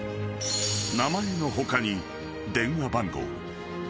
［名前の他に電話番号］